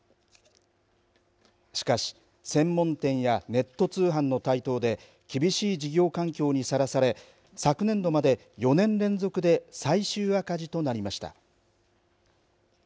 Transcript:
しかし専門店やネット通販の台頭で厳しい事業環境にさらされ昨年度まで４年連続で最終赤字となりました。